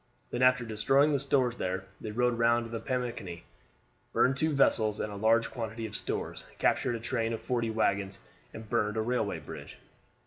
Then, after destroying the stores there they rode round to the Pamunkey, burned two vessels and a large quantity of stores, captured a train of forty wagons, and burned a railway bridge.